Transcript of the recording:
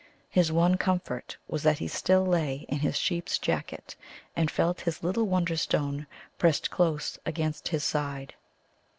His one comfort was that he still lay in his sheep's jacket, and felt his little Wonderstone pressed close against his side.